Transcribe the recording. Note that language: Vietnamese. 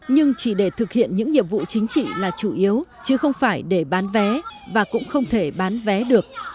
nhưng chỉ để thực hiện những nhiệm vụ chính trị là chủ yếu chứ không phải để bán vé và cũng không thể bán vé được